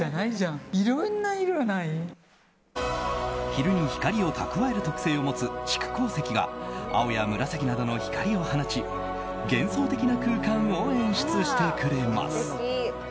昼に光を蓄える特性を持つ蓄光石が青や紫などの光を放ち幻想的な空間を演出してくれます。